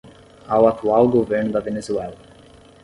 ao atual governo da Venezuela